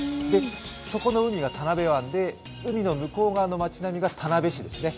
そこの海が田辺湾で海の向こうの街並みが田辺市ですね。